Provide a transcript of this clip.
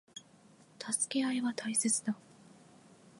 助け合いは大切だ。